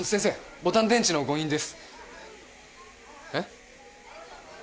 ボタン電池の誤飲ですえッ？